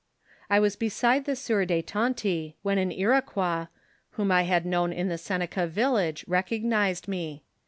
I was beside the sieur de Tonty, when an Iroquois, whom I had known in the Seneca village, recognised me.